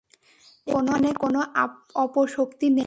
এখানে কোনো অপশক্তি নেই।